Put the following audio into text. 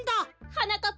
はなかっ